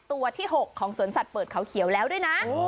ตัวที่๖ของสวนสัตว์เปิดเขาเขียวแล้วด้วยนะ